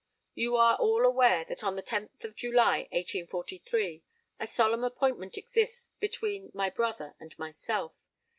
You are all aware that on the 10th of July, 1843, a solemn appointment exists between my brother and myself.